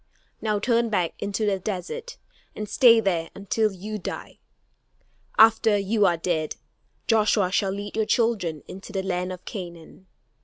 Now turn back into the desert and stay there until you die. After you are dead, Joshua shall lead your children into the land of Canaan.